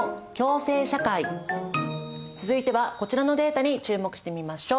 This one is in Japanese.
続いてはこちらのデータに注目してみましょう。